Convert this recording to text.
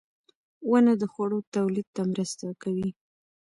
• ونه د خوړو تولید ته مرسته کوي.